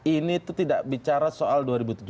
ini itu tidak bicara soal dua ribu tujuh belas